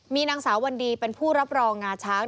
มีนางสาววันดีเป็นผู้รับรองงาช้าง